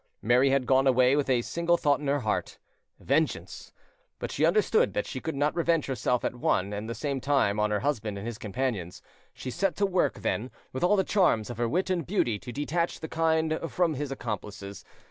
Mary had gone away with a single thought in her heart, vengeance. But she understood that she could not revenge herself at one and the same time on her husband and his companions: she set to work, then, with all the charms of her wit and beauty to detach the kind from his accomplices.